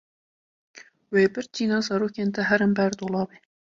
Wê birçîna zarokên te herin ber dolabê.